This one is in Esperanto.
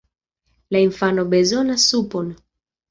La infano bezonas supon!